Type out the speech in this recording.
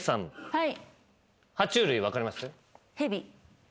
はい。